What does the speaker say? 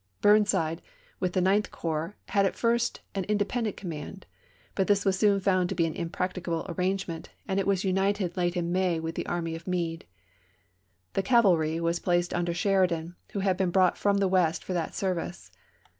Burnside, with the Ninth Corps, had at first an independent command ; but this was soon found to be an impracticable ar rangement, and it was united late in May with the i864. army of Meade. The cavalry was placed under Sheridan, who had been brought from the West for that service.